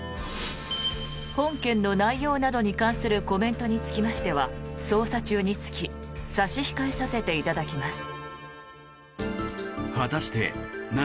本件の内容などに関するコメントにつきましては捜査中につき差し控えさせていただきます。